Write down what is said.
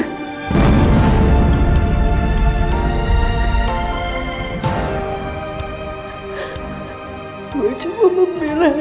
karena gua nyerasa terhina sebagai perempuan